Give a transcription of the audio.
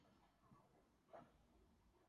سوچنا ہے ضرور ۔